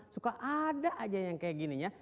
suka ada aja yang kayak gininya